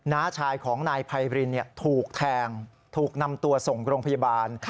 ้าชายของนายไพรินถูกแทงถูกนำตัวส่งโรงพยาบาล